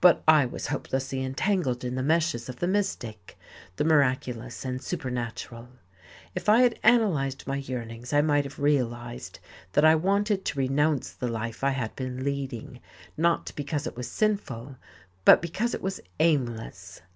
But I was hopelessly entangled in the meshes of the mystic, the miraculous and supernatural. If I had analyzed my yearnings, I might have realized that I wanted to renounce the life I had been leading, not because it was sinful, but because it was aimless.